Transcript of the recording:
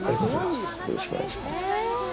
よろしくお願いします。